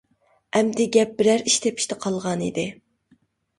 ئەمدى گەپ بىرەر ئىش تېپىشتا قالغانىدى.